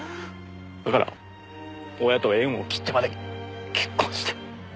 だから親と縁を切ってまで結婚して。